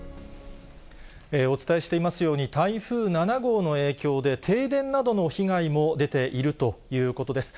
お伝えしていますように、台風７号の影響で、停電などの被害も出ているということです。